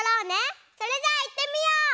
それじゃあいってみよう！